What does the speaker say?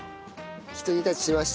ひと煮立ちしました。